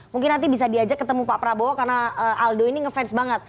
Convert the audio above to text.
mungkin nanti bisa diajak ketemu pak prabowo karena aldo ini ngefans banget